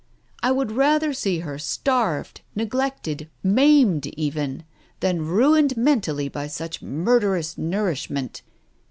I would rather see her starved, neglected, maimed even, than ruined mentally by such murderous nourishment.